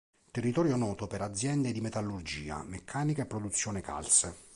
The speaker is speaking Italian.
Territorio noto per aziende di metallurgia, meccanica e produzione calze.